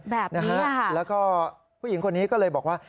แบบนะฮะแล้วก็ผู้หญิงคนนี้ก็เลยบอกว่า